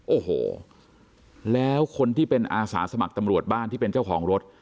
โอ้โหแล้วคนที่เป็นอาสาสมัครตำรวจบ้านที่เป็นเจ้าของรถ